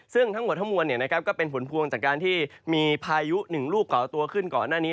ซึ่งทั้งหมดทั้งมวลก็เป็นผลพวงจากการที่มีพายุหนึ่งลูกก่อตัวขึ้นก่อนหน้านี้